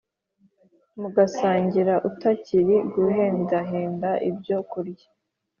mugasangira utacyiri guhendahenda ibyo kurya